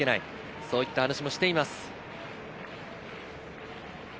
そういった話もしています。